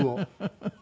フフフフ！